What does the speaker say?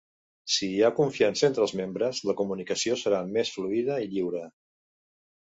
Si hi ha confiança entre els membres, la comunicació serà més fluida i lliure.